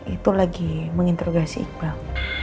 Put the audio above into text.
itu lagi menginterogasi iqbal